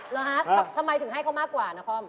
เหรอฮะทำไมถึงให้เขามากกว่านคร